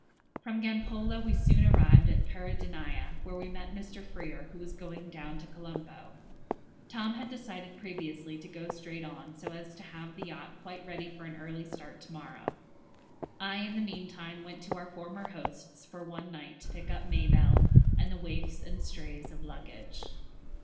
From Gampola we soon arrived at Peradeniya, where we met Mr. Freer, who was going down to Colombo. Tom had decided previously to go straight on, so as to have the yacht quite ready for an early start to morrow. I in the meantime went to our former hosts for one night to pick up Mabelle and the waifs and strays of luggage.